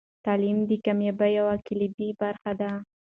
تعلیم د کامیابۍ یوه کلیدي برخه ده.